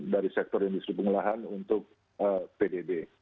dari sektor industri pengolahan untuk pdb